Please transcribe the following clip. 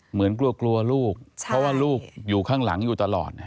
เหมือนกลัวลูกเพราะว่าลูกอยู่ข้างหลังอยู่ตลอด